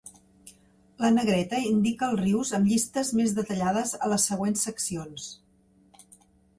La negreta indica els rius amb llistes més detallades a les següents seccions.